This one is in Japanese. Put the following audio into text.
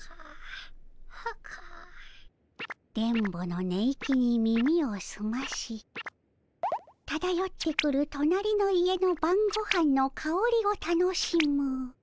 電ボの寝息に耳をすましただよってくるとなりの家のばんごはんのかおりを楽しむ。